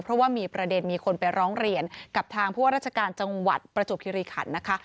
เพราะว่ามีประเด็นมีคนไปร้องเรียนกับทางผู้ว่าราชการจังหวัดประจวบคิริขันนะคะ